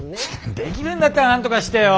できるんだったらなんとかしてよ。